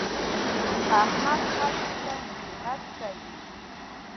احمد خلکو ته نصیحت کوي.